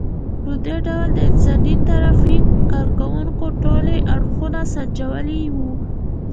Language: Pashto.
په دې ډول د انساني ترافیک کار کوونکو ټولي اړخونه سنجولي وو.